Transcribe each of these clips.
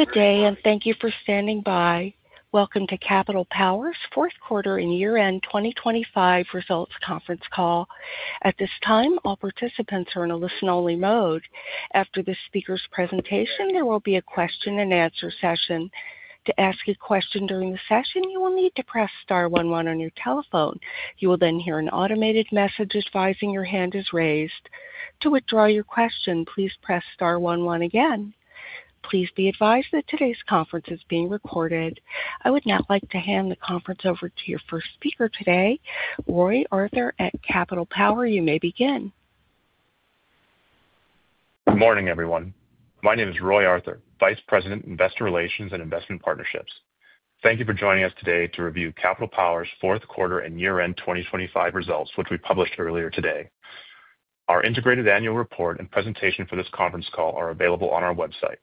Good day, and thank you for standing by. Welcome to Capital Power's fourth quarter and year-end 2025 results conference call. At this time, all participants are in a listen-only mode. After the speaker's presentation, there will be a question-and-answer session. To ask a question during the session, you will need to press star one one on your telephone. You will then hear an automated message advising your hand is raised. To withdraw your question, please press star one one again. Please be advised that today's conference is being recorded. I would now like to hand the conference over to your first speaker today, Roy Arthur at Capital Power. You may begin. Good morning, everyone. My name is Roy Arthur, Vice President, Investor Relations and Investment Partnerships. Thank you for joining us today to review Capital Power's fourth quarter and year-end 2025 results, which we published earlier today. Our integrated annual report and presentation for this conference call are available on our website.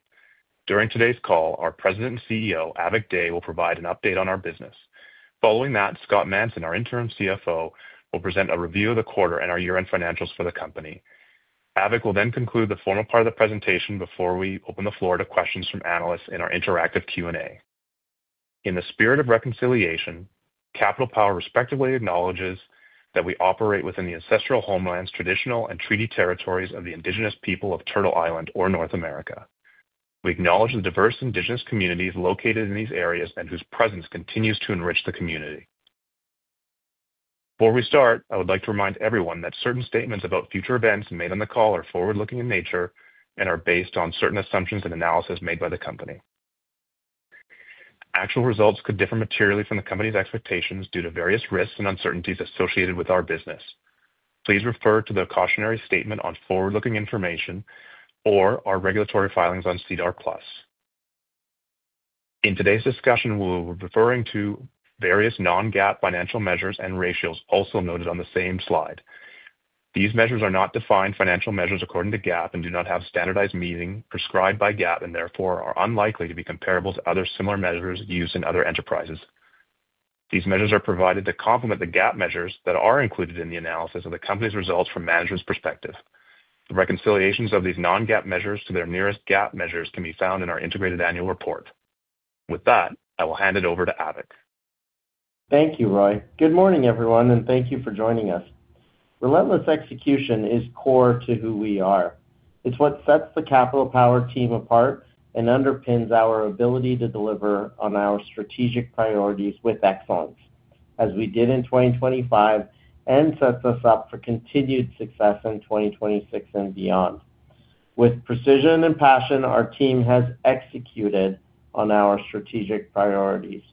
During today's call, our President and CEO, Avik Dey, will provide an update on our business. Following that, Scott Manson, our interim CFO, will present a review of the quarter and our year-end financials for the company. Avik will conclude the formal part of the presentation before we open the floor to questions from analysts in our interactive Q&A. In the spirit of reconciliation, Capital Power respectfully acknowledges that we operate within the ancestral homelands, traditional and treaty territories of the indigenous people of Turtle Island or North America. We acknowledge the diverse indigenous communities located in these areas and whose presence continues to enrich the community. Before we start, I would like to remind everyone that certain statements about future events made on the call are forward-looking in nature and are based on certain assumptions and analysis made by the company. Actual results could differ materially from the company's expectations due to various risks and uncertainties associated with our business. Please refer to the cautionary statement on forward-looking information or our regulatory filings on SEDAR+. In today's discussion, we'll be referring to various non-GAAP financial measures and ratios also noted on the same slide. These measures are not defined financial measures according to GAAP and do not have standardized meaning prescribed by GAAP and therefore are unlikely to be comparable to other similar measures used in other enterprises. These measures are provided to complement the GAAP measures that are included in the analysis of the company's results from managers' perspective. The reconciliations of these non-GAAP measures to their nearest GAAP measures can be found in our integrated annual report. With that, I will hand it over to Avik. Thank you, Roy. Good morning, everyone, and thank you for joining us. Relentless execution is core to who we are. It's what sets the Capital Power team apart and underpins our ability to deliver on our strategic priorities with excellence, as we did in 2025 and sets us up for continued success in 2026 and beyond. With precision and passion, our team has executed on our strategic priorities.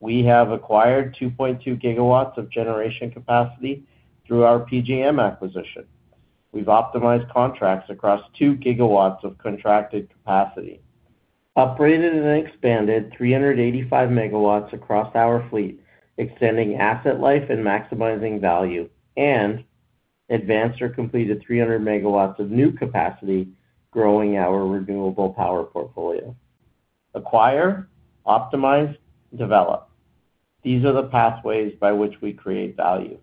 We have acquired 2.2 GW of generation capacity through our PJM acquisition. We've optimized contracts across 2 GW of contracted capacity, upgraded and expanded 385 MW across our fleet, extending asset life and maximizing value, and advanced or completed 300 MW of new capacity, growing our renewable power portfolio. Acquire, optimize, develop. These are the pathways by which we create value.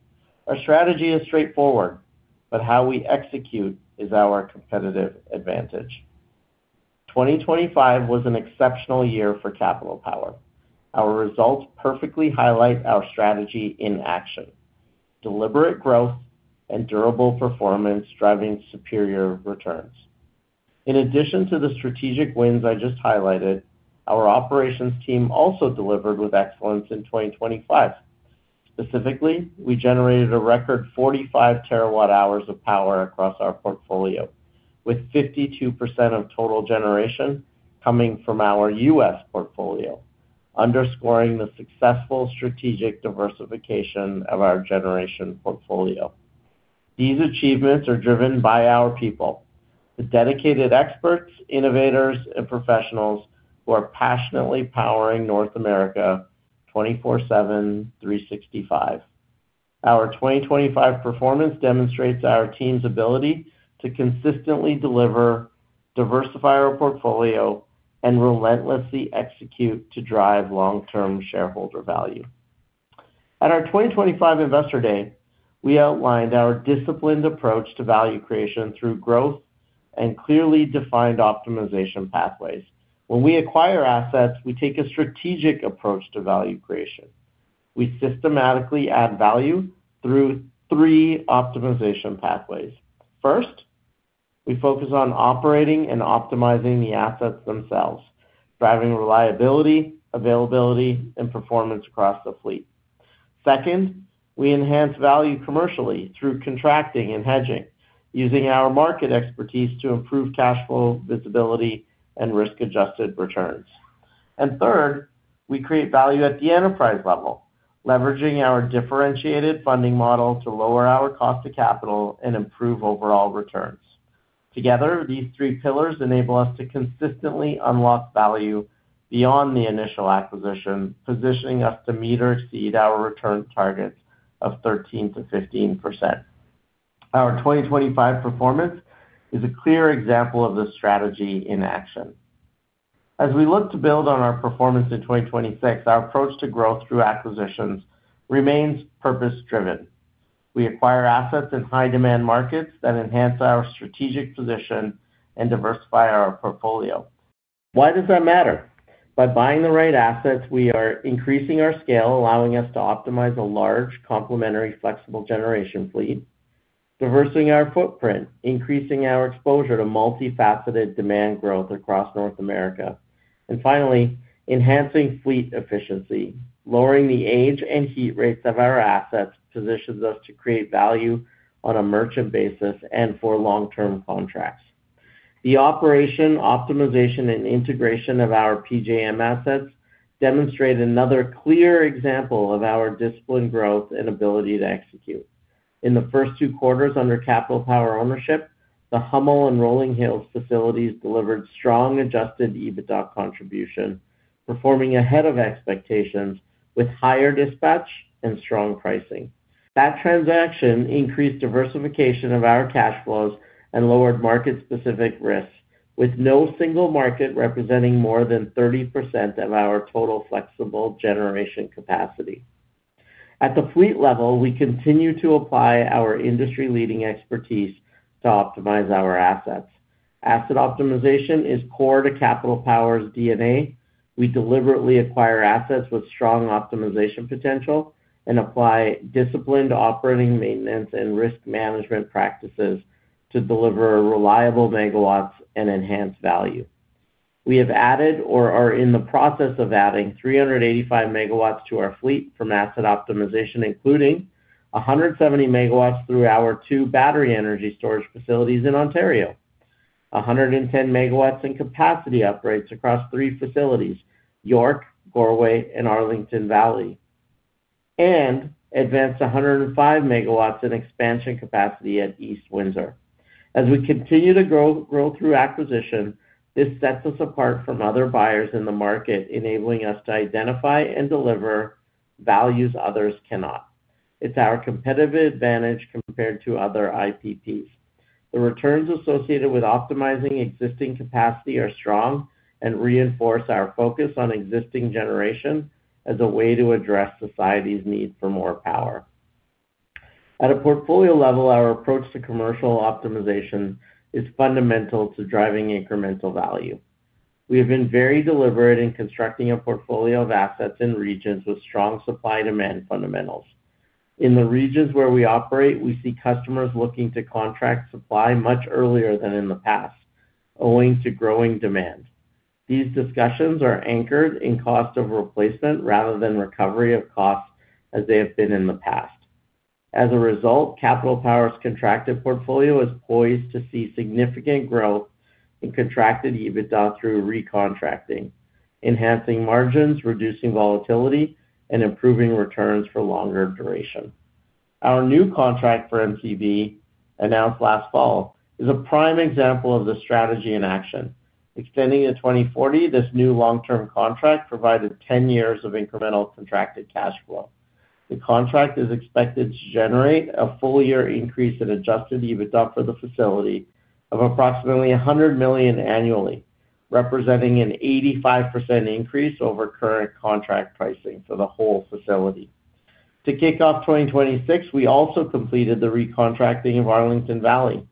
Our strategy is straightforward, but how we execute is our competitive advantage. 2025 was an exceptional year for Capital Power. Our results perfectly highlight our strategy in action, deliberate growth and durable performance, driving superior returns. In addition to the strategic wins I just highlighted, our operations team also delivered with excellence in 2025. Specifically, we generated a record 45 TWh of power across our portfolio, with 52% of total generation coming from our U.S. portfolio, underscoring the successful strategic diversification of our generation portfolio. These achievements are driven by our people, the dedicated experts, innovators, and professionals who are passionately powering North America 24/7, 365. Our 2025 performance demonstrates our team's ability to consistently deliver, diversify our portfolio, and relentlessly execute to drive long-term shareholder value. At our 2025 Investor Day, we outlined our disciplined approach to value creation through growth and clearly defined optimization pathways. When we acquire assets, we take a strategic approach to value creation. We systematically add value through three optimization pathways. 1st, we focus on operating and optimizing the assets themselves, driving reliability, availability, and performance across the fleet. 2nd, we enhance value commercially through contracting and hedging, using our market expertise to improve cash flow, visibility, and risk-adjusted returns. 3rd, we create value at the enterprise level, leveraging our differentiated funding model to lower our cost of capital and improve overall returns. Together, these three pillars enable us to consistently unlock value beyond the initial acquisition, positioning us to meet or exceed our return targets of 13%-15%. Our 2025 performance is a clear example of this strategy in action. As we look to build on our performance in 2026, our approach to growth through acquisitions remains purpose-driven. We acquire assets in high demand markets that enhance our strategic position and diversify our portfolio. Why does that matter? By buying the right assets, we are increasing our scale, allowing us to optimize a large, complementary, flexible generation fleet, diversifying our footprint, increasing our exposure to multifaceted demand growth across North America. Finally, enhancing fleet efficiency. Lowering the age and heat rates of our assets positions us to create value on a merchant basis and for long-term contracts. The operation, optimization, and integration of our PJM assets demonstrate another clear example of our disciplined growth and ability to execute. In the first two quarters under Capital Power ownership, the Hummel and Rolling Hills facilities delivered strong adjusted EBITDA contribution, performing ahead of expectations with higher dispatch and strong pricing. That transaction increased diversification of our cash flows and lowered market-specific risks, with no single market representing more than 30% of our total flexible generation capacity. At the fleet level, we continue to apply our industry-leading expertise to optimize our assets. Asset optimization is core to Capital Power's DNA. We deliberately acquire assets with strong optimization potential and apply disciplined operating maintenance and risk management practices to deliver reliable megawatts and enhance value. We have added or are in the process of adding 385 MW to our fleet from asset optimization, including 170 MW through our two battery energy storage facilities in Ontario. 110 MW in capacity upgrades across three facilities, York, Goreway, and Arlington Valley, and advanced 105 MW in expansion capacity at East Windsor. As we continue to grow through acquisition, this sets us apart from other buyers in the market, enabling us to identify and deliver values others cannot. It's our competitive advantage compared to other IPPs. The returns associated with optimizing existing capacity are strong and reinforce our focus on existing generation as a way to address society's need for more power. At a portfolio level, our approach to commercial optimization is fundamental to driving incremental value. We have been very deliberate in constructing a portfolio of assets in regions with strong supply and demand fundamentals. In the regions where we operate, we see customers looking to contract supply much earlier than in the past, owing to growing demand. These discussions are anchored in cost of replacement rather than recovery of costs as they have been in the past. As a result, Capital Power's contracted portfolio is poised to see significant growth in contracted EBITDA through recontracting, enhancing margins, reducing volatility, and improving returns for longer duration. Our new contract for MCV, announced last fall, is a prime example of the strategy in action. Extending to 2040, this new long-term contract provided 10 years of incremental contracted cash flow. The contract is expected to generate a full-year increase in adjusted EBITDA for the facility of approximately 100 million annually, representing an 85% increase over current contract pricing for the whole facility. To kick off 2026, we also completed the recontracting of Arlington Valley.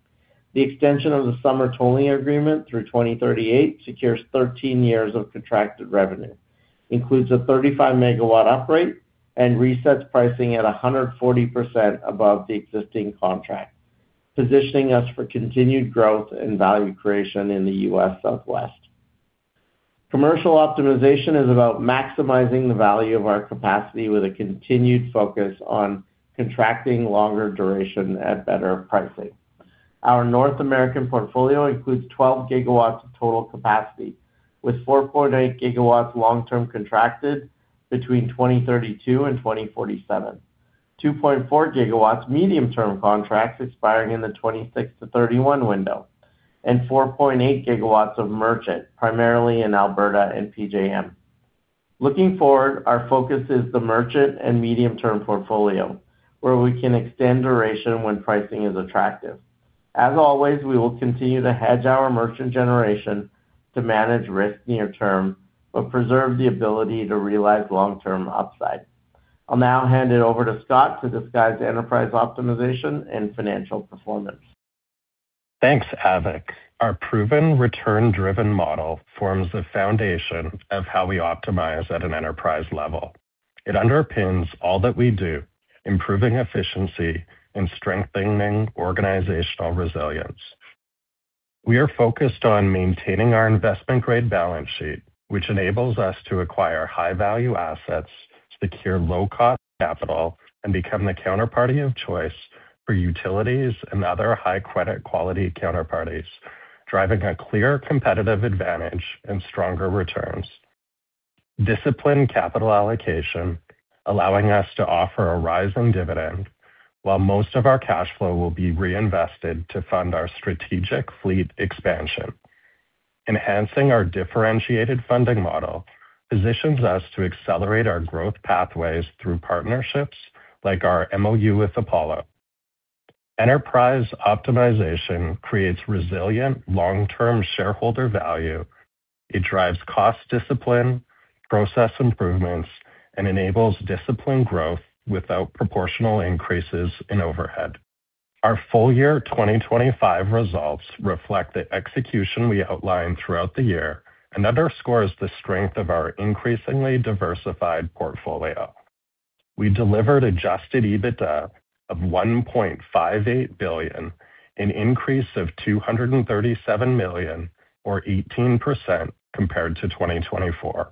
The extension of the summer tolling agreement through 2038 secures 13 years of contracted revenue, includes a 35 MW upgrade, and resets pricing at 140% above the existing contract, positioning us for continued growth and value creation in the U.S. Southwest. Commercial optimization is about maximizing the value of our capacity with a continued focus on contracting longer duration at better pricing. Our North American portfolio includes 12 GW of total capacity, with 4.8 GW long-term contracted between 2032 and 2047. 2.4 GW medium-term contracts expiring in the 2026-2031 window, and 4.8 GW of merchant, primarily in Alberta and PJM. Looking forward, our focus is the merchant and medium-term portfolio, where we can extend duration when pricing is attractive. As always, we will continue to hedge our merchant generation to manage risk near term but preserve the ability to realize long-term upside. I'll now hand it over to Scott to discuss enterprise optimization and financial performance. Thanks, Avik. Our proven return-driven model forms the foundation of how we optimize at an enterprise level. It underpins all that we do, improving efficiency and strengthening organizational resilience. We are focused on maintaining our investment-grade balance sheet, which enables us to acquire high-value assets, secure low-cost capital, and become the counterparty of choice for utilities and other high credit quality counterparties, driving a clear competitive advantage and stronger returns. Disciplined capital allocation, allowing us to offer a rising dividend while most of our cash flow will be reinvested to fund our strategic fleet expansion. Enhancing our differentiated funding model positions us to accelerate our growth pathways through partnerships like our MOU with Apollo. Enterprise optimization creates resilient long-term shareholder value. It drives cost discipline, process improvements, and enables disciplined growth without proportional increases in overhead. Our full year 2025 results reflect the execution we outlined throughout the year and underscores the strength of our increasingly diversified portfolio. We delivered adjusted EBITDA of 1.58 billion, an increase of 237 million or 18% compared to 2024.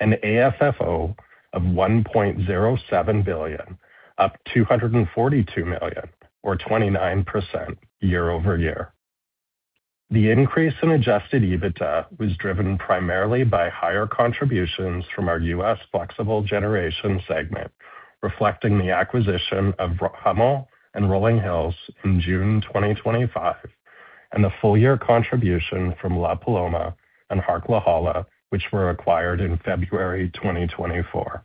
An AFFO of 1.07 billion, up 242 million or 29% year-over-year. The increase in adjusted EBITDA was driven primarily by higher contributions from our U.S. flexible generation segment, reflecting the acquisition of Hummel and Rolling Hills in June 2025, and the full year contribution from La Paloma and Harquahala, which were acquired in February 2024.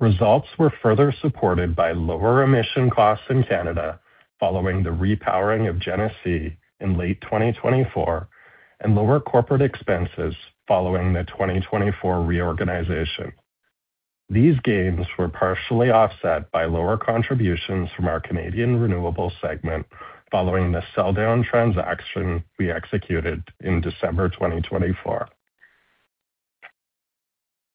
Results were further supported by lower emission costs in Canada following the repowering of Genesee in late 2024 and lower corporate expenses following the 2024 reorganization. These gains were partially offset by lower contributions from our Canadian renewables segment following the sell-down transaction we executed in December 2024.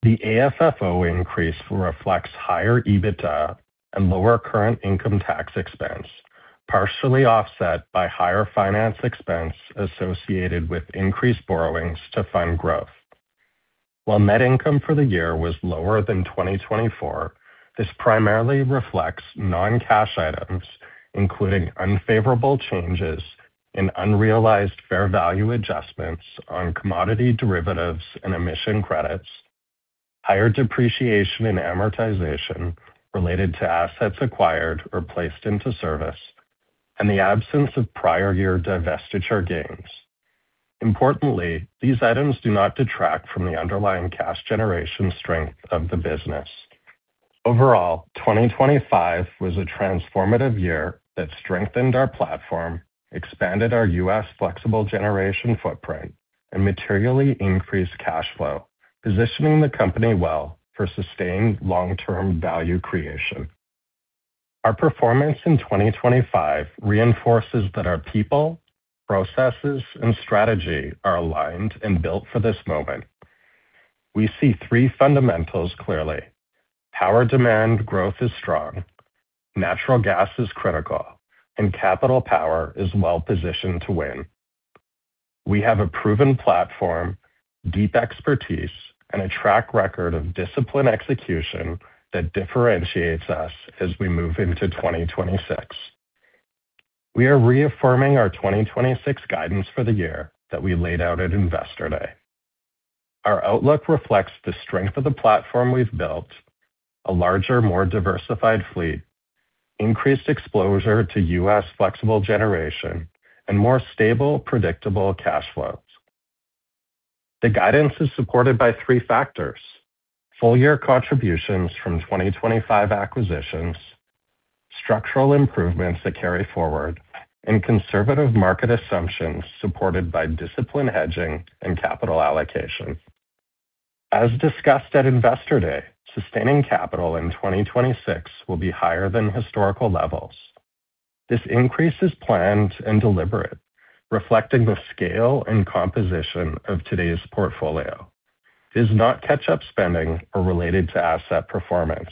The AFFO increase reflects higher EBITDA and lower current income tax expense, partially offset by higher finance expense associated with increased borrowings to fund growth. While net income for the year was lower than 2024, this primarily reflects non-cash items, including unfavorable changes in unrealized fair value adjustments on commodity derivatives and emission credits, higher depreciation and amortization related to assets acquired or placed into service, and the absence of prior year divestiture gains. Importantly, these items do not detract from the underlying cash generation strength of the business. Overall, 2025 was a transformative year that strengthened our platform, expanded our U.S. flexible generation footprint, and materially increased cash flow, positioning the company well for sustained long-term value creation. Our performance in 2025 reinforces that our people, processes, and strategy are aligned and built for this moment. We see three fundamentals clearly: Power demand growth is strong, natural gas is critical, and Capital Power is well-positioned to win. We have a proven platform, deep expertise, and a track record of disciplined execution that differentiates us as we move into 2026. We are reaffirming our 2026 guidance for the year that we laid out at Investor Day. Our outlook reflects the strength of the platform we've built, a larger, more diversified fleet, increased exposure to U.S. flexible generation, and more stable, predictable cash flows. The guidance is supported by three factors: Full year contributions from 2025 acquisitions, structural improvements that carry forward, and conservative market assumptions supported by disciplined hedging and capital allocation. As discussed at Investor Day, sustaining capital in 2026 will be higher than historical levels. This increase is planned and deliberate, reflecting the scale and composition of today's portfolio. It is not catch-up spending or related to asset performance,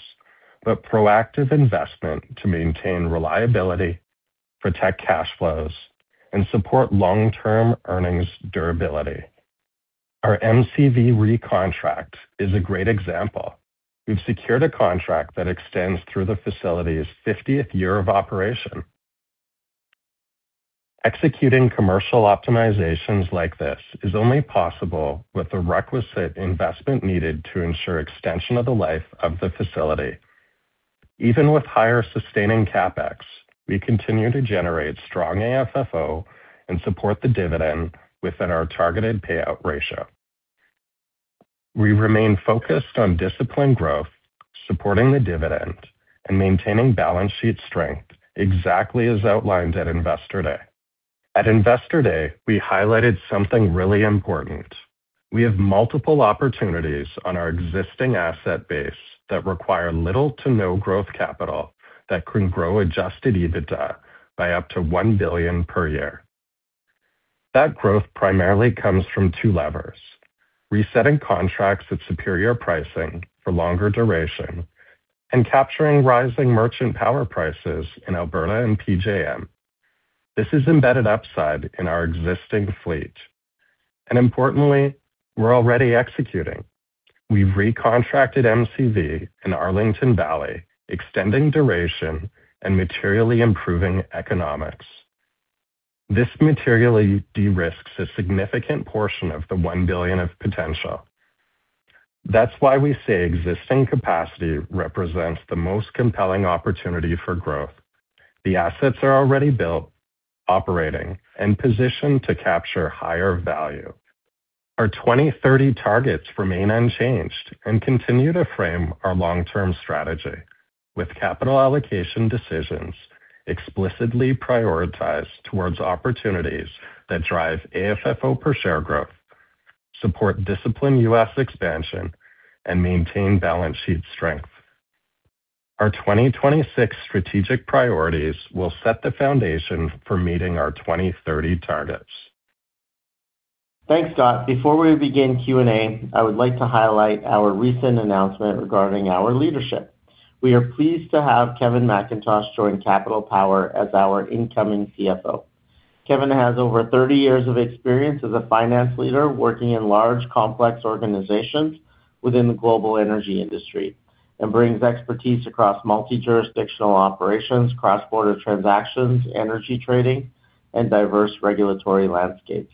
but proactive investment to maintain reliability, protect cash flows, and support long-term earnings durability. Our MCV recontract is a great example. We've secured a contract that extends through the facility's 50th year of operation. Executing commercial optimizations like this is only possible with the requisite investment needed to ensure extension of the life of the facility. Even with higher sustaining CapEx, we continue to generate strong AFFO and support the dividend within our targeted payout ratio. We remain focused on disciplined growth, supporting the dividend, and maintaining balance sheet strength exactly as outlined at Investor Day. At Investor Day, we highlighted something really important. We have multiple opportunities on our existing asset base that require little to no growth capital that can grow adjusted EBITDA by up to 1 billion per year. That growth primarily comes from two levers: resetting contracts at superior pricing for longer duration and capturing rising merchant power prices in Alberta and PJM. This is embedded upside in our existing fleet, importantly, we're already executing. We've recontracted MCV in Arlington Valley, extending duration and materially improving economics. This materially de-risks a significant portion of the 1 billion of potential. That's why we say existing capacity represents the most compelling opportunity for growth. The assets are already built, operating, and positioned to capture higher value. Our 2030 targets remain unchanged and continue to frame our long-term strategy with capital allocation decisions explicitly prioritized towards opportunities that drive AFFO per share growth, support disciplined U.S. expansion, and maintain balance sheet strength. Our 2026 strategic priorities will set the foundation for meeting our 2030 targets. Thanks, Scott. Before we begin Q&A, I would like to highlight our recent announcement regarding our leadership. We are pleased to have Kevin MacIntosh join Capital Power as our incoming CFO. Kevin has over 30 years of experience as a finance leader working in large, complex organizations within the global energy industry and brings expertise across multi-jurisdictional operations, cross-border transactions, energy trading, and diverse regulatory landscapes.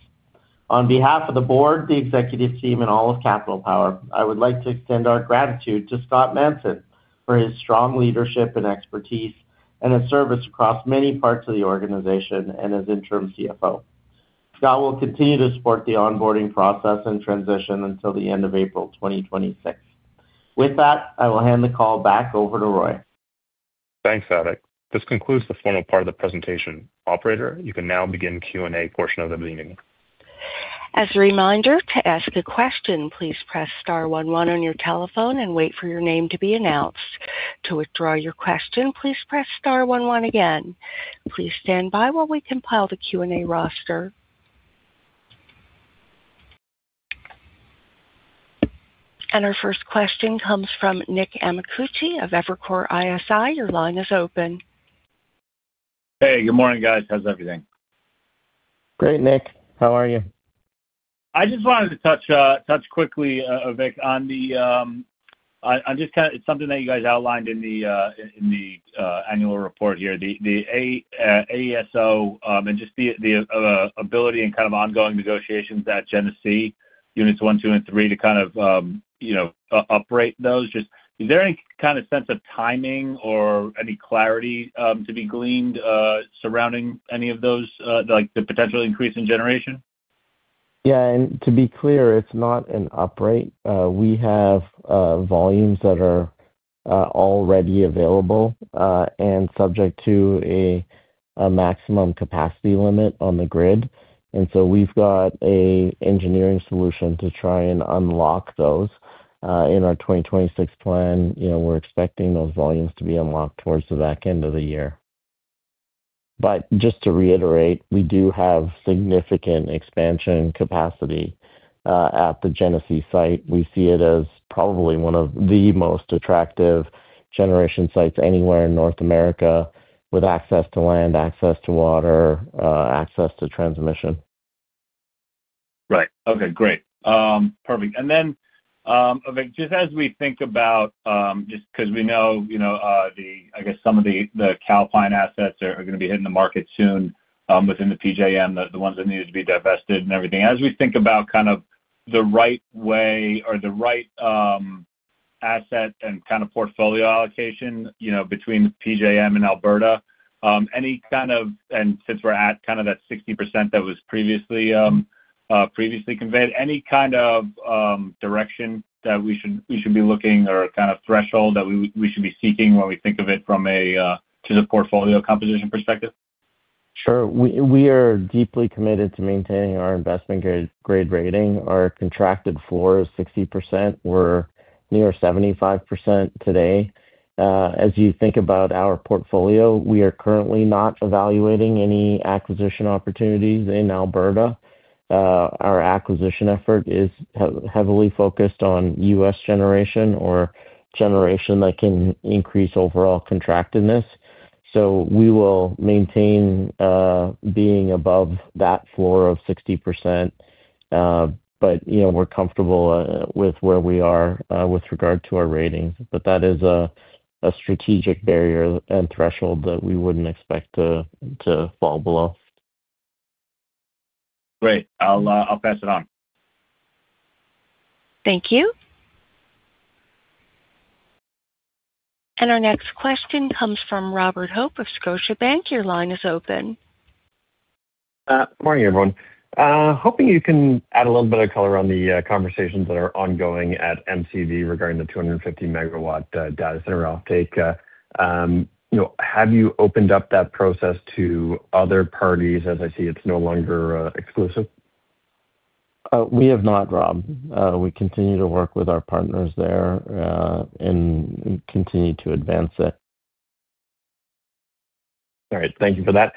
On behalf of the board, the executive team, and all of Capital Power, I would like to extend our gratitude to Scott Manson for his strong leadership and expertise and his service across many parts of the organization and as interim CFO. Scott will continue to support the onboarding process and transition until the end of April 2026. I will hand the call back over to Roy. Thanks, Avik. This concludes the formal part of the presentation. Operator, you can now begin Q&A portion of the meeting. As a reminder, to ask a question, please press star one one on your telephone and wait for your name to be announced. To withdraw your question, please press star one one again. Please stand by while we compile the Q&A roster. Our first question comes from Nicholas Amicucci of Evercore ISI. Your line is open. Hey, good morning, guys. How's everything? Great, Nick. How are you? I just wanted to touch quickly, Avik, on just kind of something that you guys outlined in the annual report here, the AESO, and just the ability and kind of ongoing negotiations at Genesee units 1, 2, and 3 to kind of, you know, uprate those. Just is there any kind of sense of timing or any clarity to be gleaned surrounding any of those, like the potential increase in generation? To be clear, it's not an uprate. We have volumes that are already available and subject to a maximum capacity limit on the grid. We've got an engineering solution to try and unlock those. In our 2026 plan, you know, we're expecting those volumes to be unlocked towards the back end of the year. Just to reiterate, we do have significant expansion capacity at the Genesee site. We see it as probably one of the most attractive generation sites anywhere in North America with access to land, access to water, access to transmission. Right. Okay, great. perfect. Then, Avik, just as we think about, just 'cause we know, you know, the Calpine assets are gonna be hitting the market soon, within the PJM, the ones that needed to be divested and everything. As we think about kind of the right way or the right asset and kind of portfolio allocation, you know, between PJM and Alberta, any kind of and since we're at kind of that 60% that was previously conveyed, any kind of direction that we should be looking or kind of threshold that we should be seeking when we think of it from a to the portfolio composition perspective? Sure. We are deeply committed to maintaining our investment-grade rating. Our contracted floor is 60%. We're near 75% today. As you think about our portfolio, we are currently not evaluating any acquisition opportunities in Alberta. Our acquisition effort is heavily focused on U.S. generation or generation that can increase overall contractedness. We will maintain being above that floor of 60%. But, you know, we're comfortable with where we are with regard to our ratings. That is a strategic barrier and threshold that we wouldn't expect to fall below. Great. I'll pass it on. Thank you. Our next question comes from Robert Hope of Scotiabank. Your line is open. Good morning, everyone. Hoping you can add a little bit of color on the conversations that are ongoing at MCV regarding the 250 MW data center offtake. You know, have you opened up that process to other parties as I see it's no longer exclusive? We have not, Rob. We continue to work with our partners there, and continue to advance it. All right. Thank you for that.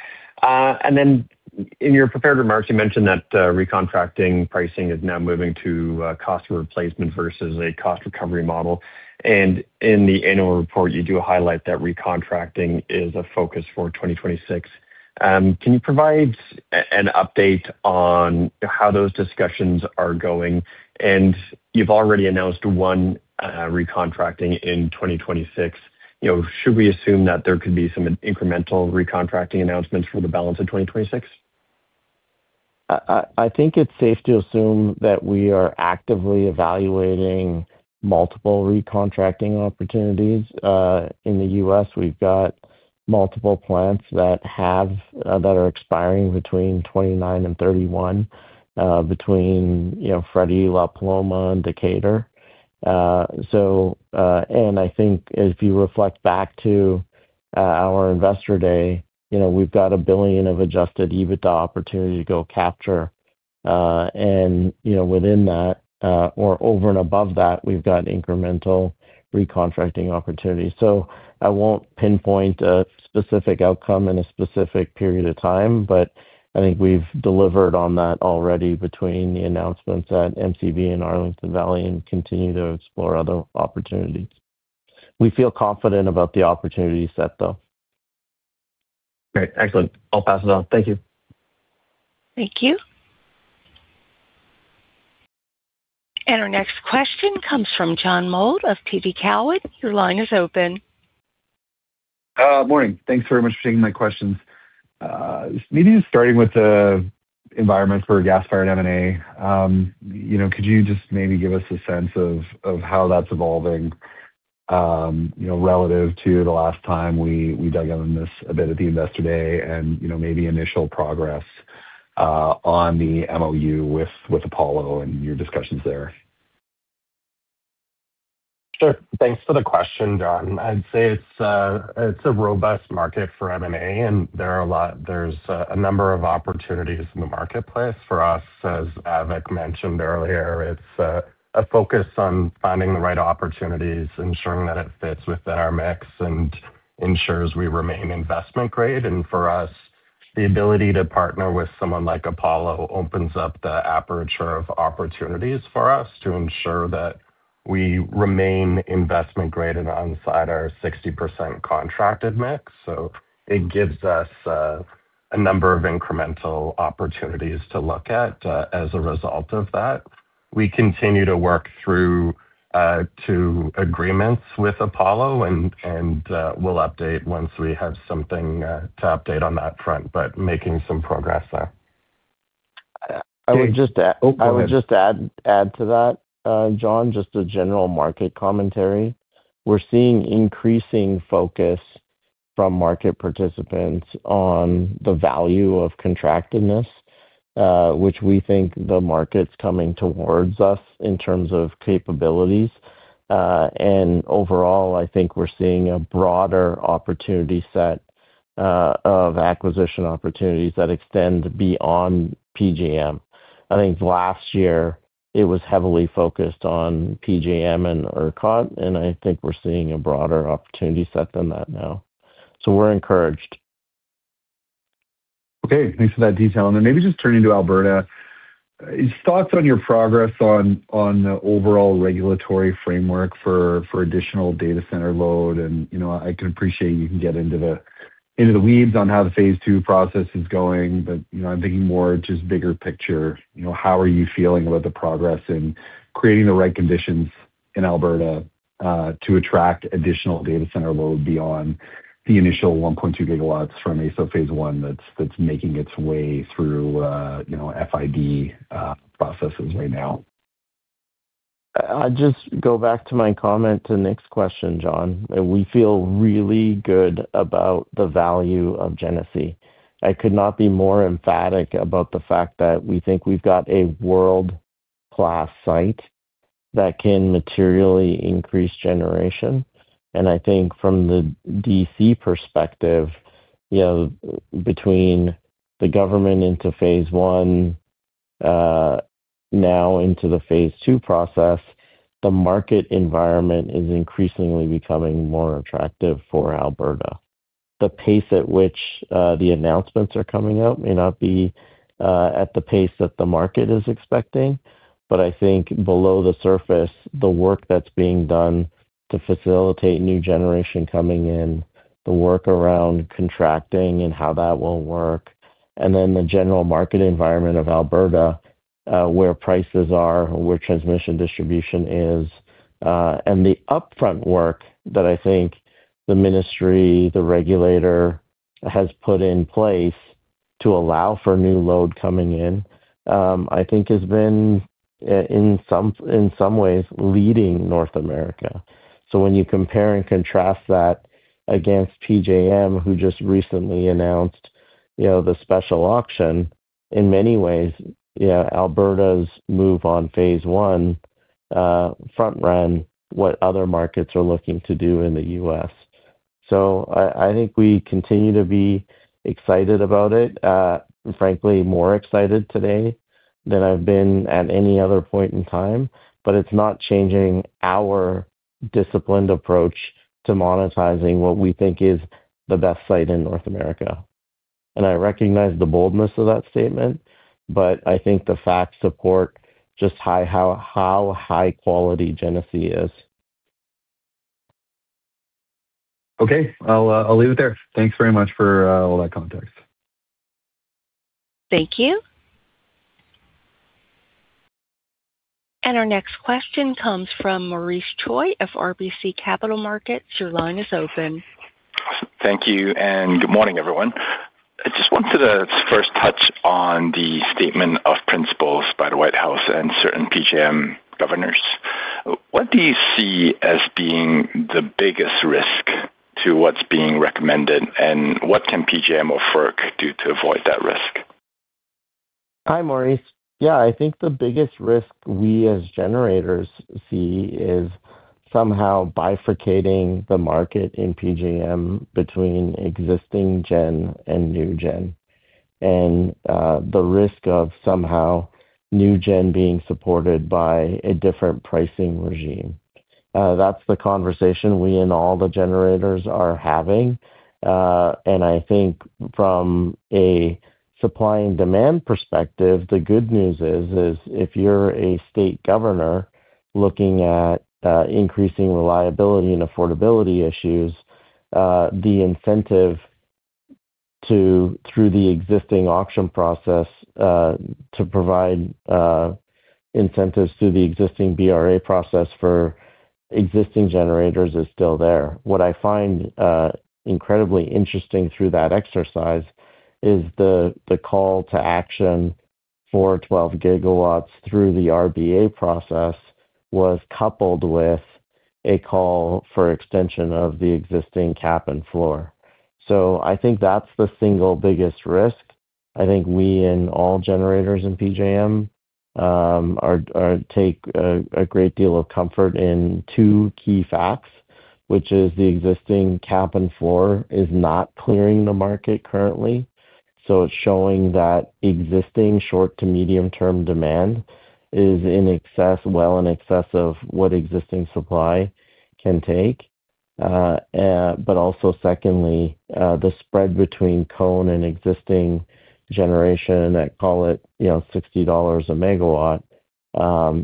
In your prepared remarks, you mentioned that recontracting pricing is now moving to cost replacement versus a cost recovery model. In the annual report, you do highlight that recontracting is a focus for 2026. Can you provide an update on how those discussions are going? You've already announced 1 recontracting in 2026. You know, should we assume that there could be some incremental recontracting announcements for the balance of 2026? I think it's safe to assume that we are actively evaluating multiple recontracting opportunities. In the US we've got multiple plants that are expiring between 2029 and 2031, between, you know, Freddie, La Paloma, and Decatur. And I think if you reflect back to our investor day, you know, we've got a $1 billion of adjusted EBITDA opportunity to go capture. You know, within that, or over and above that, we've got incremental recontracting opportunities. I won't pinpoint a specific outcome and a specific period of time, but I think we've delivered on that already between the announcements at MCV and Arlington Valley and continue to explore other opportunities. We feel confident about the opportunity set though. Great. Excellent. I'll pass it on. Thank you. Thank you. Our next question comes from John Mould of TD Cowen. Your line is open. Morning. Thanks very much for taking my questions. Maybe just starting with the environment for gas-fired M&A. You know, could you just maybe give us a sense of how that's evolving, you know, relative to the last time we dug in on this a bit at the investor day? You know, maybe initial progress on the MOU with Apollo and your discussions there? Sure. Thanks for the question, John. I'd say it's a robust market for M&A. There's a number of opportunities in the marketplace for us. As Avik mentioned earlier, it's a focus on finding the right opportunities, ensuring that it fits within our mix and ensures we remain investment grade. For us, the ability to partner with someone like Apollo opens up the aperture of opportunities for us to ensure that we remain investment grade and outside our 60% contracted mix. It gives us a number of incremental opportunities to look at as a result of that. We continue to work through agreements with Apollo and we'll update once we have something to update on that front, making some progress there. I would just add. Oh, go ahead. I would just add to that, John, just a general market commentary. We're seeing increasing focus from market participants on the value of contractedness, which we think the market's coming towards us in terms of capabilities. Overall, I think we're seeing a broader opportunity set of acquisition opportunities that extend beyond PJM. I think last year it was heavily focused on PJM and ERCOT, and I think we're seeing a broader opportunity set than that now. We're encouraged. Okay. Thanks for that detail. Maybe just turning to Alberta. Thoughts on your progress on the overall regulatory framework for additional data center load. You know, I can appreciate you can get into the weeds on how the phase II process is going. You know, I'm thinking more just bigger picture. How are you feeling about the progress in creating the right conditions in Alberta to attract additional data center load beyond the initial 1.2 GW from AESO phase I that's making its way through, you know, FID processes right now? I'll just go back to my comment to Nick's question, John. We feel really good about the value of Genesee. I could not be more emphatic about the fact that we think we've got a world-class site that can materially increase generation. I think from the D.C. perspective, you know, between the government into phase one, now into the phase II process, the market environment is increasingly becoming more attractive for Alberta. The pace at which the announcements are coming out may not be at the pace that the market is expecting. I think below the surface, the work that's being done to facilitate new generation coming in, the work around contracting and how that will work, and then the general market environment of Alberta, where prices are, where transmission distribution is, and the upfront work that I think the ministry, the regulator has put in place to allow for new load coming in, I think has been in some ways leading North America. When you compare and contrast that against PJM, who just recently announced, you know, the special auction, in many ways, yeah, Alberta's move on phase one, front run what other markets are looking to do in the U.S. I think we continue to be excited about it. Frankly, more excited today than I've been at any other point in time. It's not changing our disciplined approach to monetizing what we think is the best site in North America. I recognize the boldness of that statement, but I think the facts support just how high quality Genesee is. Okay. I'll leave it there. Thanks very much for all that context. Thank you. Our next question comes from Maurice Choy of RBC Capital Markets. Your line is open. Thank you, and good morning, everyone. I just wanted to first touch on the statement of principles by the White House and certain PJM governors. What do you see as being the biggest risk to what's being recommended, and what can PJM or FERC do to avoid that risk? Hi, Maurice. Yeah, I think the biggest risk we as generators see is somehow bifurcating the market in PJM between existing gen and new gen. The risk of somehow new gen being supported by a different pricing regime. That's the conversation we and all the generators are having. I think from a supply and demand perspective, the good news is if you're a state governor looking at increasing reliability and affordability issues, the incentive through the existing auction process to provide incentives through the existing BRA process for existing generators is still there. What I find incredibly interesting through that exercise is the call to action for 12 GW through the REP process was coupled with a call for extension of the existing cap and floor. I think that's the single biggest risk. I think we and all generators in PJM are take a great deal of comfort in two key facts, which is the existing cap and floor is not clearing the market currently. It's showing that existing short to medium term demand is in excess, well in excess of what existing supply can take. Also secondly, the spread between CONE and existing generation that call it, you know, $60 a megawatt,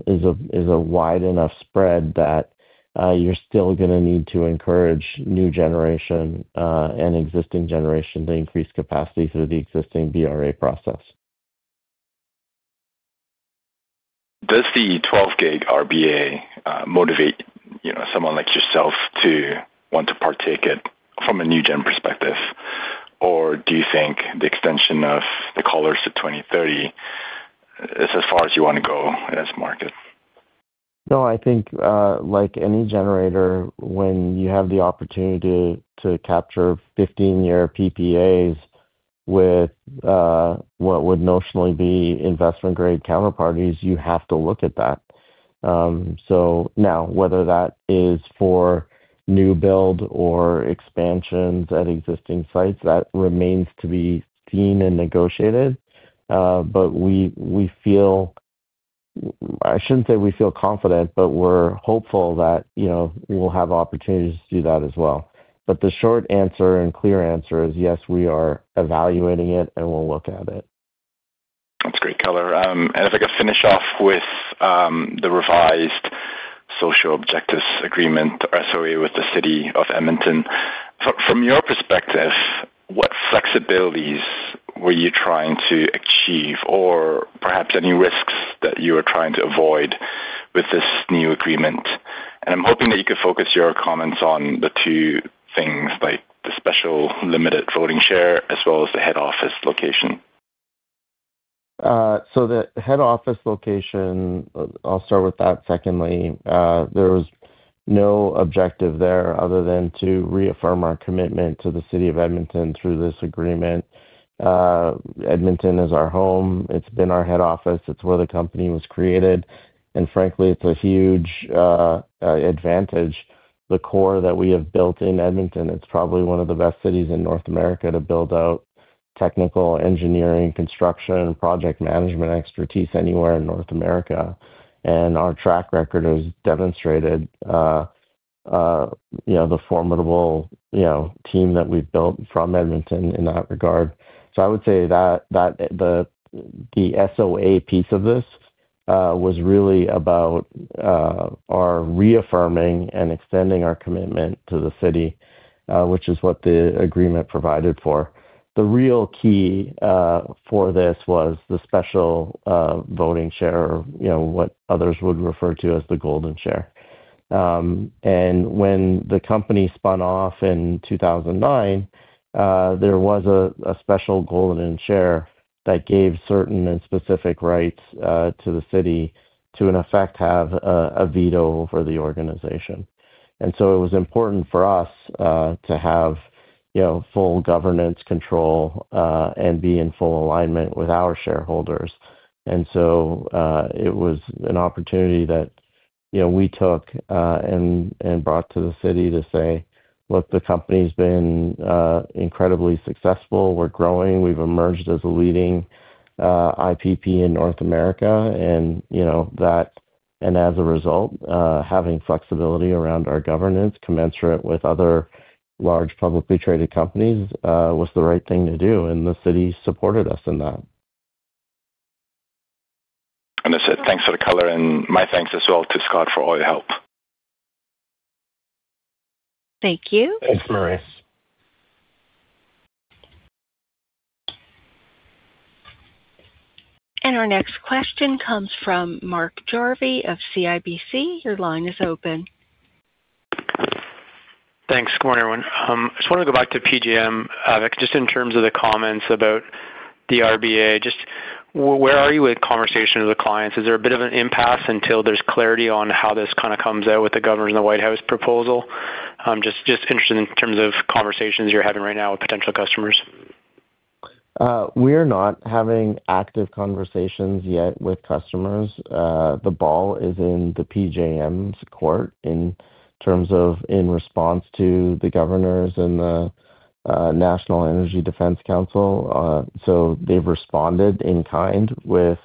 is a wide enough spread that you're still gonna need to encourage new generation and existing generation to increase capacity through the existing BRA process. Does the 12 gig REP motivate, you know, someone like yourself to want to partake it from a new gen perspective? Or do you think the extension of the callers to 2030 is as far as you wanna go in this market? No, I think, like any generator, when you have the opportunity to capture 15-year PPAs with what would notionally be investment-grade counterparties, you have to look at that. Now whether that is for new build or expansions at existing sites, that remains to be seen and negotiated. We're hopeful that, you know, we'll have opportunities to do that as well. The short answer and clear answer is yes, we are evaluating it and we'll look at it. That's great color. If I could finish off with the revised social objectives agreement, SOA, with the city of Edmonton. From your perspective, what flexibilities were you trying to achieve or perhaps any risks that you were trying to avoid with this new agreement? I'm hoping that you could focus your comments on the two things, like the special limited voting share as well as the head office location. The head office location, I'll start with that secondly. There was no objective there other than to reaffirm our commitment to the city of Edmonton through this agreement. Edmonton is our home. It's been our head office. It's where the company was created. Frankly, it's a huge advantage. The core that we have built in Edmonton, it's probably one of the best cities in North America to build out technical engineering, construction, project management expertise anywhere in North America. Our track record has demonstrated, you know, the formidable, you know, team that we've built from Edmonton in that regard. I would say that the SOA piece of this was really about our reaffirming and extending our commitment to the city, which is what the agreement provided for. The real key for this was the special voting share, you know, what others would refer to as the golden share. When the company spun off in 2009, there was a special golden share that gave certain and specific rights to the city to in effect have a veto over the organization. It was important for us to have, you know, full governance control and be in full alignment with our shareholders. It was an opportunity that, you know, we took and brought to the city to say, look, the company's been incredibly successful. We're growing. We've emerged as a leading IPP in North America. You know, as a result, having flexibility around our governance commensurate with other large publicly traded companies, was the right thing to do, and the city supported us in that. Understood. Thanks for the color and my thanks as well to Scott for all your help. Thank you. Thanks, Maurice. Our next question comes from Mark Jarvi of CIBC. Your line is open. Thanks. Good morning, everyone. I just want to go back to PJM, just in terms of the comments about the REP. Just where are you with conversation with the clients? Is there a bit of an impasse until there's clarity on how this kind of comes out with the governors and the White House proposal? I'm interested in terms of conversations you're having right now with potential customers. We are not having active conversations yet with customers. The ball is in the PJM's court in terms of in response to the governors and the National Energy Defense Council. They've responded in kind with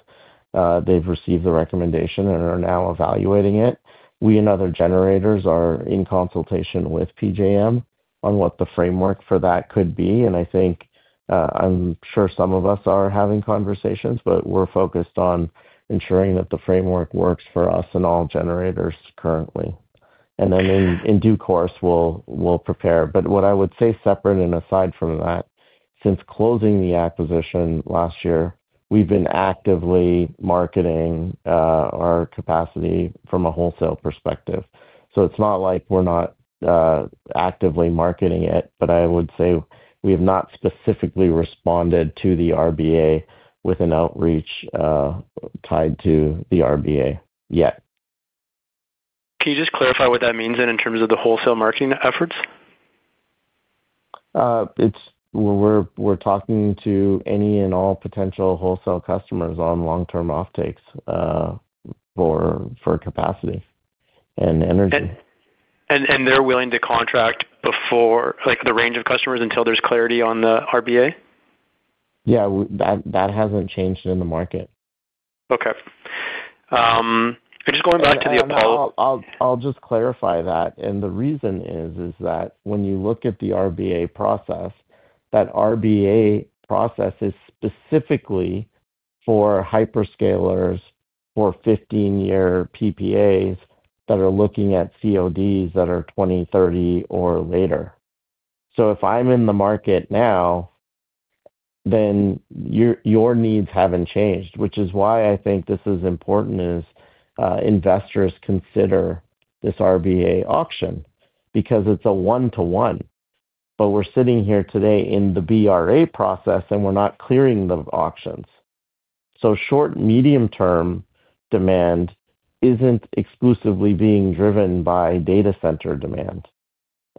they've received the recommendation and are now evaluating it. We and other generators are in consultation with PJM on what the framework for that could be. I think I'm sure some of us are having conversations, but we're focused on ensuring that the framework works for us and all generators currently. In due course, we'll prepare. What I would say separate and aside from that, since closing the acquisition last year, we've been actively marketing our capacity from a wholesale perspective. It's not like we're not actively marketing it, but I would say we have not specifically responded to the REP with an outreach tied to the REP yet. Can you just clarify what that means then in terms of the wholesale marketing efforts? We're talking to any and all potential wholesale customers on long-term offtakes, for capacity and energy. They're willing to contract before, like, the range of customers until there's clarity on the REP? Yeah. That hasn't changed in the market. Okay. just going back to the Apollo- I'll just clarify that. The reason is that when you look at the REP process, that REP process is specifically for hyperscalers or 15-year PPAs that are looking at CODs that are 2030 or later. If I'm in the market now, then your needs haven't changed. Which is why I think this is important is, investors consider this REP auction because it's a 1-to-1. We're sitting here today in the BRA process, and we're not clearing the auctions. Short, medium term demand isn't exclusively being driven by data center demand.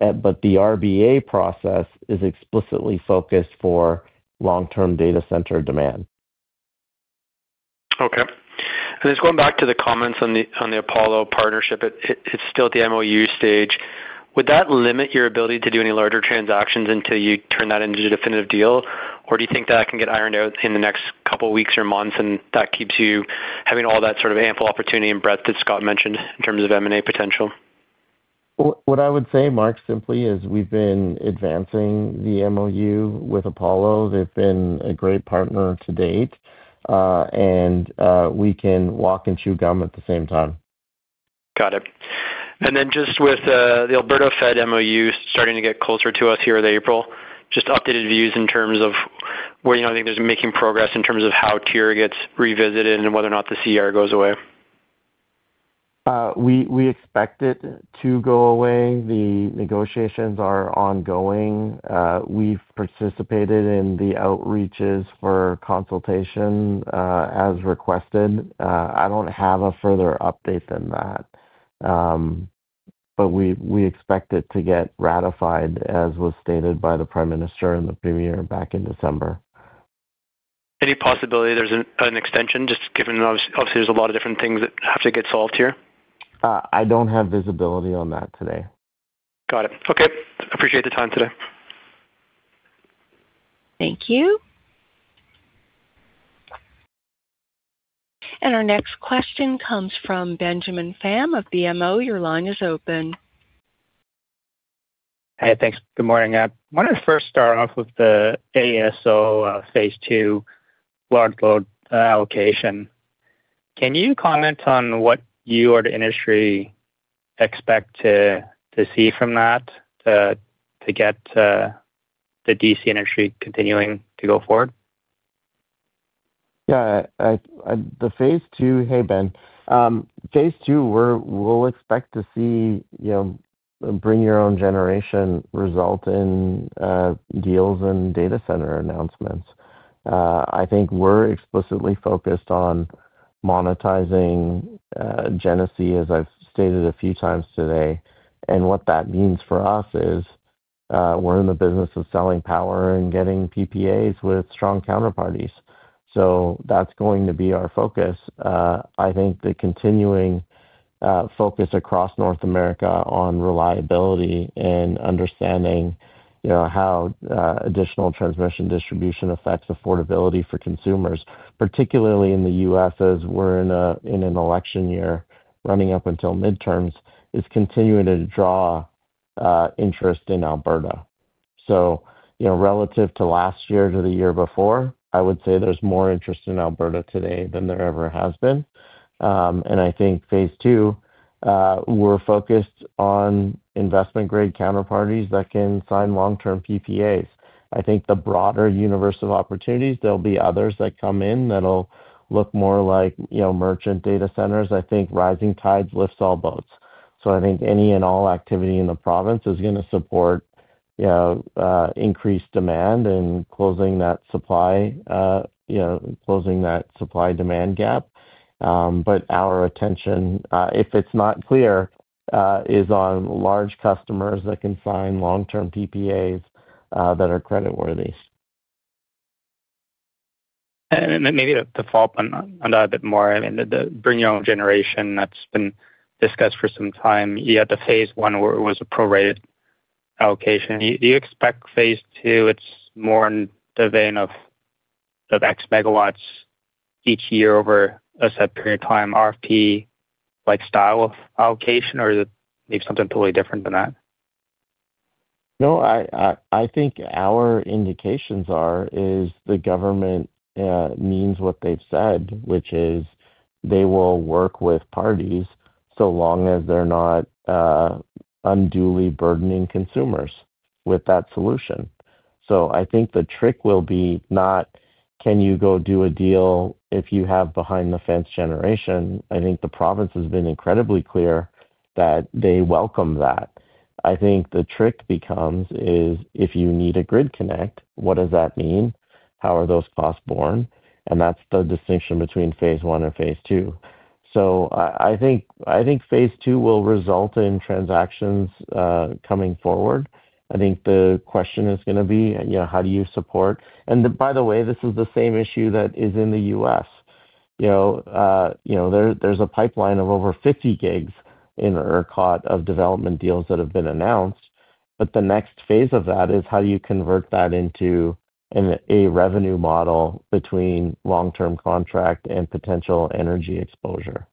The REP process is explicitly focused for long-term data center demand. Okay. Just going back to the comments on the Apollo partnership. It, it's still at the MOU stage. Would that limit your ability to do any larger transactions until you turn that into a definitive deal? Do you think that can get ironed out in the next couple weeks or months, and that keeps you having all that sort of ample opportunity and breadth that Scott mentioned in terms of M&A potential? What I would say, Mark, simply is we've been advancing the MOU with Apollo. They've been a great partner to date, and we can walk and chew gum at the same time. Got it. Just with the Alberta Fed MOU starting to get closer to us here with April, just updated views in terms of where you think there's making progress in terms of how tier gets revisited and whether or not the CR goes away? We expect it to go away. The negotiations are ongoing. We've participated in the outreaches for consultation, as requested. I don't have a further update than that. We expect it to get ratified, as was stated by the Prime Minister and the Premier back in December. Any possibility there's an extension, just given obviously there's a lot of different things that have to get solved here? I don't have visibility on that today. Got it. Okay. Appreciate the time today. Thank you. Our next question comes from Benjamin Pham of BMO. Your line is open. Hey, thanks. Good morning. I wanted to first start off with the AESO phase two large load allocation. Can you comment on what you or the industry expect to see from that to get the D.C. industry continuing to go forward? Yeah. Hey, Ben. Phase II, we'll expect to see, you know, bring your own generation result in deals and data center announcements. I think we're explicitly focused on monetizing Genesee, as I've stated a few times today. What that means for us is, we're in the business of selling power and getting PPAs with strong counterparties. That's going to be our focus. I think the continuing focus across North America on reliability and understanding, you know, how additional transmission distribution affects affordability for consumers, particularly in the U.S., as we're in a, in an election year running up until midterms, is continuing to draw interest in Alberta. You know, relative to last year to the year before, I would say there's more interest in Alberta today than there ever has been. I think phase two, we're focused on investment-grade counterparties that can sign long-term PPAs. I think the broader universe of opportunities, there'll be others that come in that'll look more like, you know, merchant data centers. I think rising tides lifts all boats. I think any and all activity in the province is gonna support, you know, increased demand and closing that supply, you know, closing that supply-demand gap. Our attention, if it's not clear, is on large customers that can sign long-term PPAs, that are creditworthy. Maybe to follow up on that a bit more. I mean, the bring your own generation that's been discussed for some time, you had the phase I where it was a prorated allocation. Do you expect phase II, it's more in the vein of X megawatts each year over a set period of time, RFP-like style of allocation, or is it maybe something totally different than that? No, I think our indications are is the government means what they've said, which is they will work with parties so long as they're not unduly burdening consumers with that solution. I think the trick will be not can you go do a deal if you have behind the fence generation. I think the province has been incredibly clear that they welcome that. I think the trick becomes is if you need a grid connect, what does that mean? How are those costs borne? That's the distinction between phase I and phase II. I think phase II will result in transactions coming forward. I think the question is gonna be, you know, how do you support... By the way, this is the same issue that is in the U.S. You know, you know, there's a pipeline of over 50 gigs in ERCOT of development deals that have been announced, but the next phase of that is how do you convert that into a revenue model between long-term contract and potential energy exposure.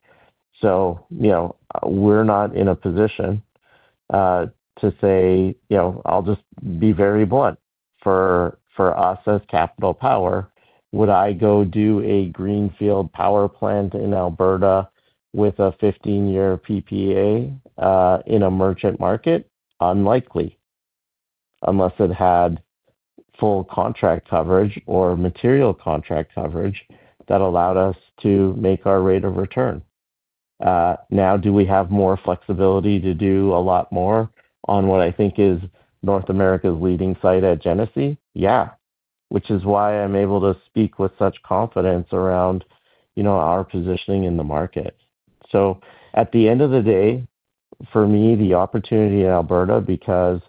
You know, we're not in a position to say. You know, I'll just be very blunt. For us as Capital Power, would I go do a greenfield power plant in Alberta with a 15-year PPA in a merchant market? Unlikely, unless it had full contract coverage or material contract coverage that allowed us to make our rate of return. Now, do we have more flexibility to do a lot more on what I think is North America's leading site at Genesee? Yeah. I'm able to speak with such confidence around, you know, our positioning in the market. At the end of the day, for me, the opportunity in Alberta, because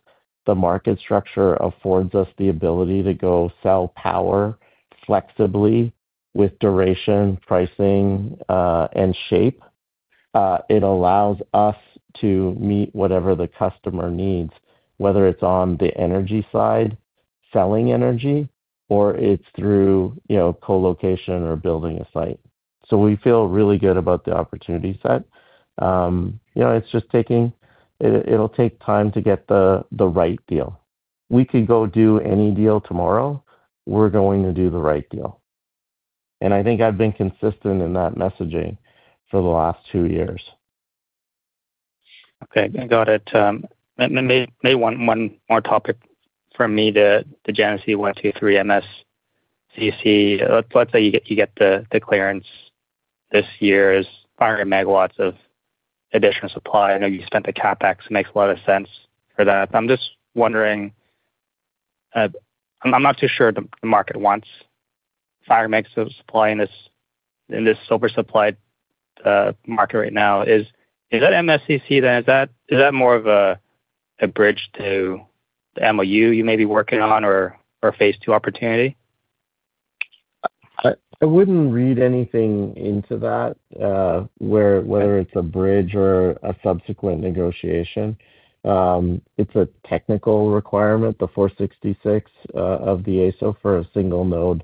the market structure affords us the ability to go sell power flexibly with duration, pricing, and shape, it allows us to meet whatever the customer needs, whether it's on the energy side, selling energy, or it's through, you know, co-location or building a site. We feel really good about the opportunity set. You know, it'll take time to get the right deal. We could go do any deal tomorrow. We're going to do the right deal. I think I've been consistent in that messaging for the last two years. Okay. Got it. Maybe one more topic from me. The Genesee 1, 2, 3 MSCC. Let's say you get the clearance this year is 5 MW of additional supply. I know you spent the CapEx. It makes a lot of sense for that. I'm just wondering, I'm not too sure the market wants 5 MW of supply in this oversupplied market right now. Is that MSCC then, is that more of a bridge to the MOU you may be working on or phase two opportunity? I wouldn't read anything into that, where whether it's a bridge or a subsequent negotiation. It's a technical requirement, the 466, of the AESO for a single node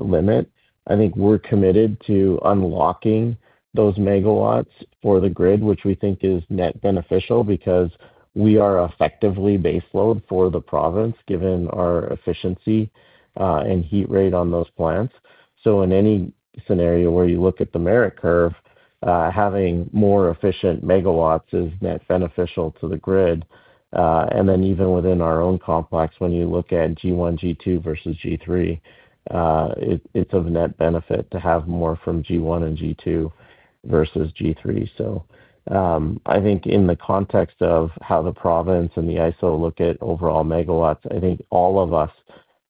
limit. I think we're committed to unlocking those megawatts for the grid, which we think is net beneficial because we are effectively base load for the province, given our efficiency and heat rate on those plants. In any scenario where you look at the merit curve, having more efficient megawatts is net beneficial to the grid. Even within our own complex, when you look at Genesee 1, Genesee 2 versus Genesee 3, it's of net benefit to have more from Genesee 1 and Genesee 2 versus Genesee 3. I think in the context of how the province and the AESO look at overall megawatts, I think all of us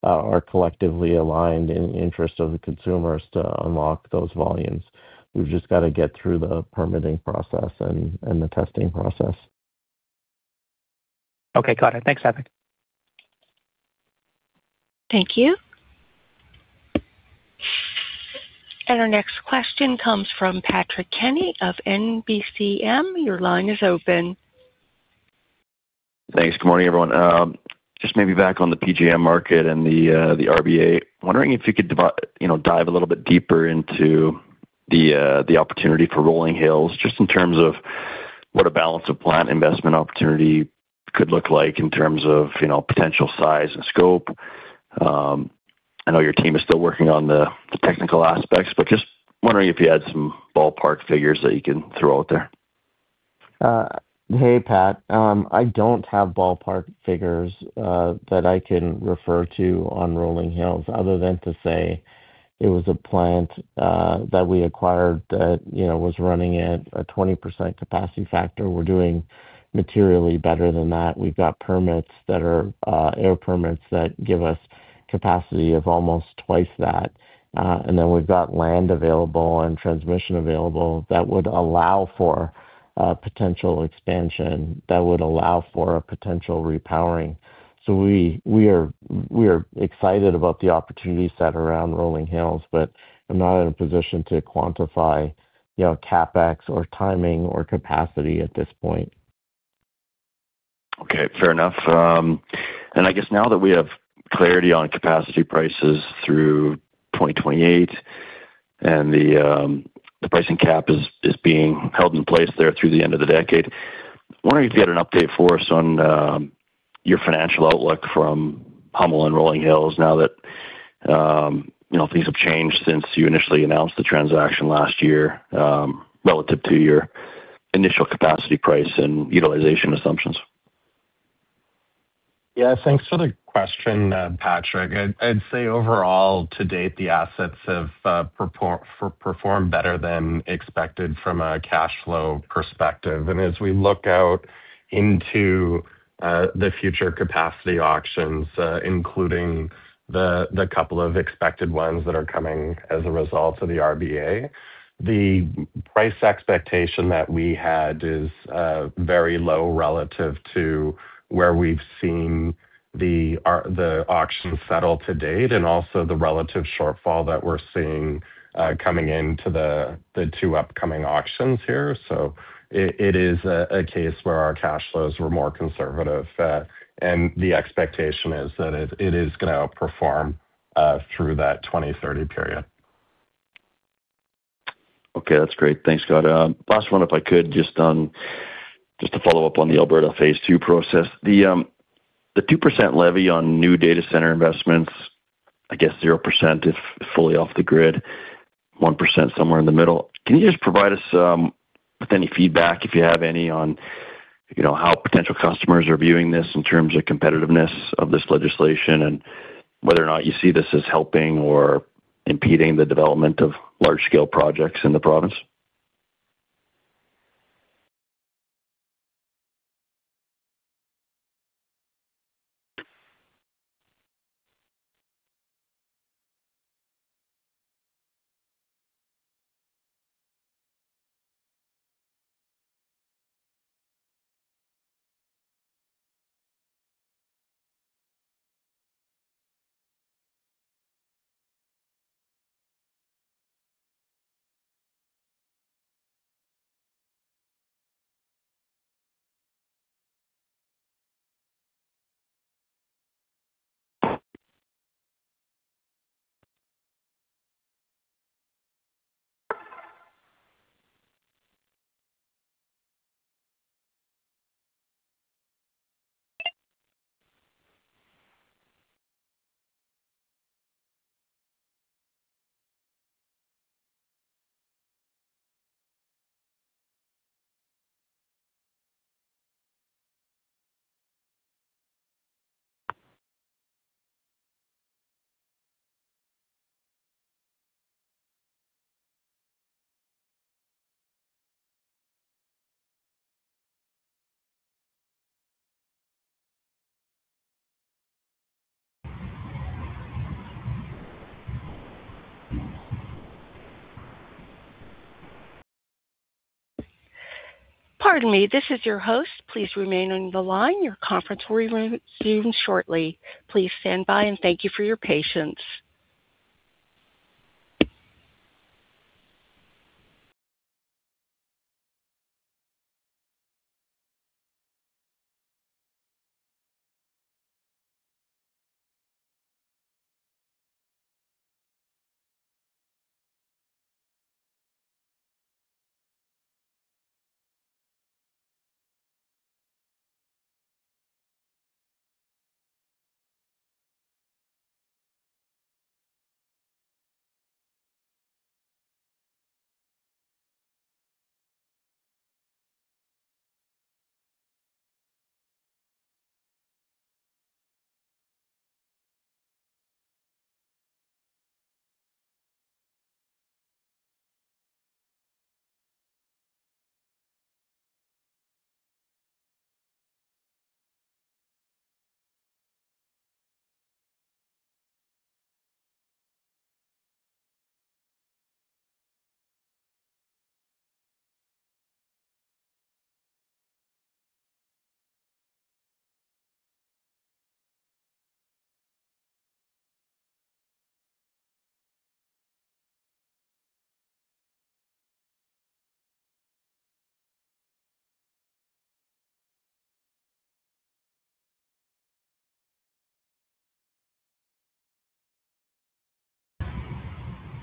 are collectively aligned in interest of the consumers to unlock those volumes. We've just got to get through the permitting process and the testing process. Okay. Got it. Thanks, Avik. Thank you. Our next question comes from Patrick Kenny of NBCM. Your line is open. Thanks. Good morning, everyone. just maybe back on the PJM market and the REP. Wondering if you could you know, dive a little bit deeper into the opportunity for Rolling Hills just in terms of what a balance of plant investment opportunity could look like in terms of, you know, potential size and scope? I know your team is still working on the technical aspects, but just wondering if you had some ballpark figures that you can throw out there? Hey, Pat. I don't have ballpark figures that I can refer to on Rolling Hills other than to say it was a plant that we acquired that, you know, was running at a 20% capacity factor. We're doing materially better than that. We've got permits that are air permits that give us capacity of almost twice that. We've got land available and transmission available that would allow for potential expansion, that would allow for a potential repowering. We are excited about the opportunity set around Rolling Hills, but I'm not in a position to quantify, you know, CapEx or timing or capacity at this point. Okay, fair enough. I guess now that we have clarity on capacity prices through 2028 and the pricing cap is being held in place there through the end of the decade. I'm wondering if you had an update for us on your financial outlook from Hummel and Rolling Hills now that, you know, things have changed since you initially announced the transaction last year, relative to your initial capacity price and utilization assumptions. Yeah. Thanks for the question, Patrick. I'd say overall to date the assets have performed better than expected from a cash flow perspective. As we look out into the future capacity auctions, including the couple of expected ones that are coming as a result of the REP. The price expectation that we had is very low relative to where we've seen the auction settle to date and also the relative shortfall that we're seeing coming into the two upcoming auctions here. It is a case where our cash flows were more conservative. The expectation is that it is gonna outperform through that 2030 period. That's great. Thanks, Scott. Last one if I could, just to follow up on the Alberta phase two process. The 2% levy on new data center investments, I guess 0% if fully off the grid, 1% somewhere in the middle. Can you just provide us with any feedback if you have any on, you know, how potential customers are viewing this in terms of competitiveness of this legislation, and whether or not you see this as helping or impeding the development of large scale projects in the province? Pardon me. This is your host. Please remain on the line. Your conference will resume shortly. Please stand by, and thank you for your patience.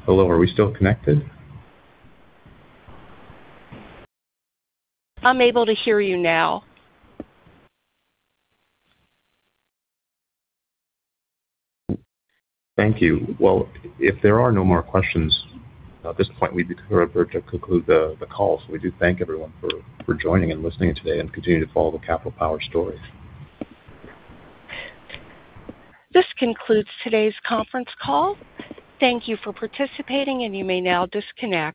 Hello, are we still connected? I'm able to hear you now. Thank you. Well, if there are no more questions at this point, we prefer to conclude the call. We do thank everyone for joining and listening today and continue to follow the Capital Power story. This concludes today's conference call. Thank you for participating. You may now disconnect.